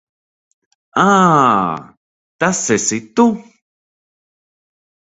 Ā, tas esi tu.